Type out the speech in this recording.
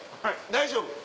「大丈夫」？